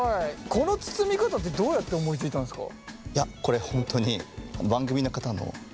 この包み方ってどうやって思いついたんですか？